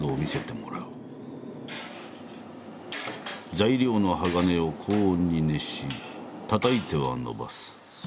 材料の鋼を高温に熱したたいてはのばす。